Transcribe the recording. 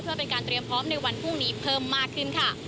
เพื่อเป็นการเตรียมพร้อมในวันพรุ่งนี้เพิ่มมากขึ้นค่ะ